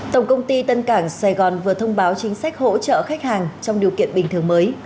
tổng công ty tân cảng sài gòn vừa thông báo chính sách hỗ trợ khách hàng trong điều kiện bình thường mới